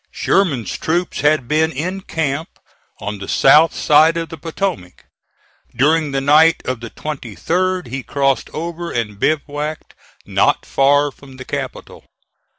Sherman's troops had been in camp on the south side of the Potomac. During the night of the 23d he crossed over and bivouacked not far from the Capitol.